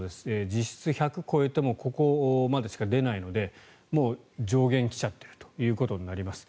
実質１００を超えてもここまでしか出ないのでもう上限来ちゃってるということになります。